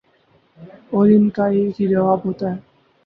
اور ان کا ایک ہی جواب ہوتا ہے